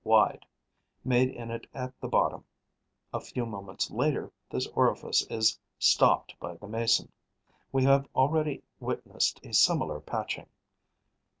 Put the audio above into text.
wide, made in it at the bottom. A few moments later, this orifice is stopped by the Mason. We have already witnessed a similar patching.